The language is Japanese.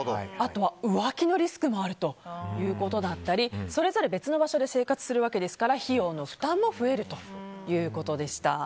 あとは浮気のリスクもあるということだったりそれぞれ別の場所で生活するわけですから費用の負担も増えるということでした。